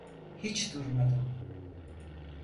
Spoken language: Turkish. Hiç durmadan!